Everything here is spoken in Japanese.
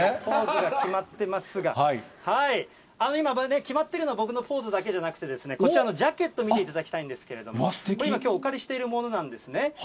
ポーズが決まってますが、今、決まっているのは、僕のポーズだけじゃなくて、こちらのジャケット、見ていただきたいんですけれども、きょう、お借りしているものなんですよね。